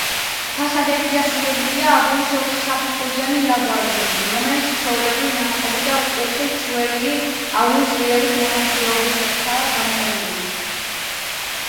ფასადები დასრულებულია აგურის ოთხსაფეხურიანი ლავგარდნით, რომელიც ჩვეულებრივად ნაწყობი და კუთხით შვერილი აგურის რიგების მონაცვლეობითააგამოყვანილი.